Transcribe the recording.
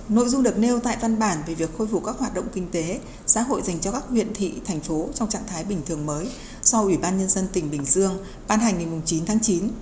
nội dung được nêu tại văn bản về việc khôi phục các hoạt động kinh tế xã hội dành cho các huyện thị thành phố trong trạng thái bình thường mới do ủy ban nhân dân tỉnh bình dương ban hành ngày chín tháng chín